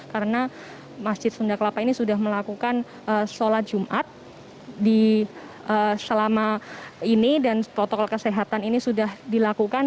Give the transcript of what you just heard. karena masjid sunda kelapa ini sudah melakukan sholat jumat selama ini dan protokol kesehatan ini sudah dilakukan